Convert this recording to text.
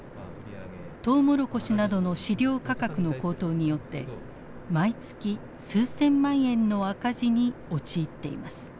トウモロコシなどの飼料価格の高騰によって毎月数千万円の赤字に陥っています。